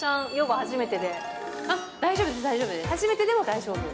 初めてでも大丈夫？